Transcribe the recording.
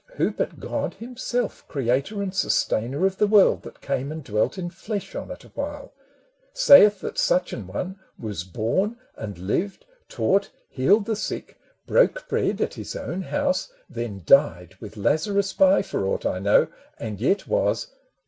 who but God himself, Creator and sustainer of the world, That came and dwelt in flesh on it awhile !— 'Sayeth that such an one was born and lived, Taught, healed the sick, broke bread at his own house, AN EPISTLE 197 Then died, with Lazarus by, for aught I know, And yet was